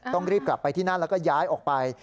ต้องรีบกลับไปที่นั่นแล้วก็ย้ายออกไป